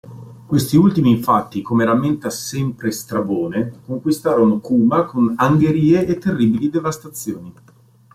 Questi ultimi infatti, come rammenta sempre Strabone, conquistarono Cuma con angherie e terribili devastazioni.